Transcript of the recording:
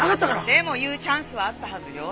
でも言うチャンスはあったはずよ。